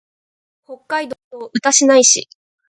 北海道歌志内市